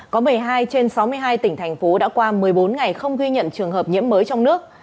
có một mươi hai trên sáu mươi hai tỉnh thành phố đã qua một mươi bốn ngày không ghi nhận trường hợp nhiễm mới trong nước